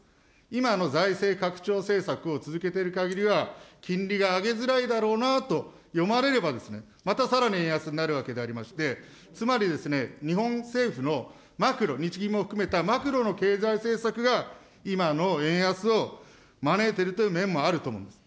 今の財政拡張政策を続けているかぎりは、金利が上げづらいだろうなと読まれればですね、またさらに円安になるわけでありまして、つまりですね、日本政府のマクロ、日銀も含めたマクロの経済政策が、今の円安を招いているという面もあると思います。